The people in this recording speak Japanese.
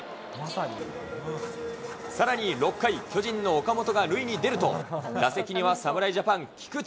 さらに６回、巨人の岡本が塁に出ると、打席には侍ジャパン、菊池。